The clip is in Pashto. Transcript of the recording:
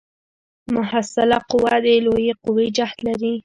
محصله قوه د لویې قوې جهت لري.